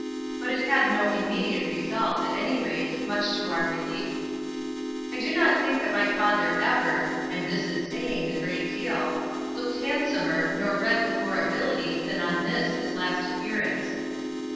But it had no immediate result, at any rate, much to our relief. I do not think that my father ever—and this is saying a great deal—looked handsomer nor read with more ability than on this, his last appearance.